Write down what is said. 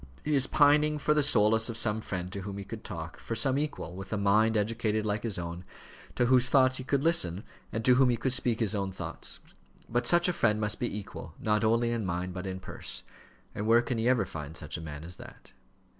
He is pining for the solace of some friend to whom he could talk for some equal, with a mind educated like his own, to whose thoughts he could listen, and to whom he could speak his own thoughts. But such a friend must be equal, not only in mind, but in purse; and where can he ever find such a man as that?"